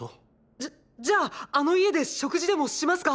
じゃじゃああの家で食事でもしますか？